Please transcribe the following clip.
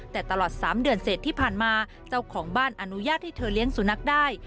แต่ตลอด๓เดือนเสร็จที่ผ่านมาเจ้าของบ้านอนุญาตให้เธอเลี้ยงสุนัขได้